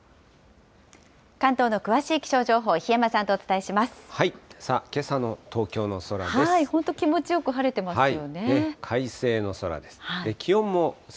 関東の詳しい気象情報、檜山さんとお伝えします。